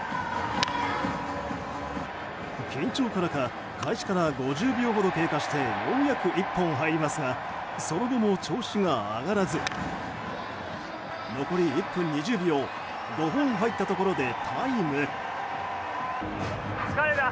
緊張からか開始から５０秒ほど経過してようやく１本入りますがその後も調子が上がらず残り１分２０秒５本入ったところでタイム。